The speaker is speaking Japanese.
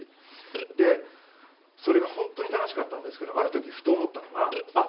でそれが本当に楽しかったんですけどある時ふと思ったのがあっ